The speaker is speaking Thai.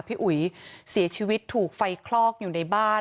อุ๋ยเสียชีวิตถูกไฟคลอกอยู่ในบ้าน